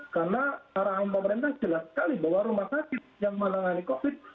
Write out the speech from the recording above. karena arahan pemerintah jelas sekali bahwa rumah sakit yang menangani covid